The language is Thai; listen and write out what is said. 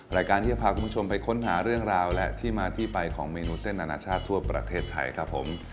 รายการที่จะพาคุณผู้ชมไปค้นหาเรื่องราวและที่มาที่ไปของเมนูเส้นอนาชาติทั่วประเทศไทยครับผม